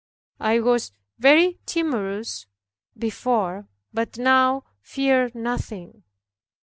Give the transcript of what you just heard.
I was very timorous before, but now feared nothing.